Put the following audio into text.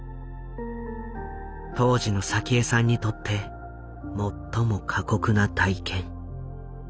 当時の早紀江さんにとって最も過酷な体験。